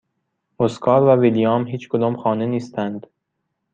اسکار و ویلیام هیچکدام خانه نیستند.